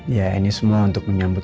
ya ini semua untuk menyambut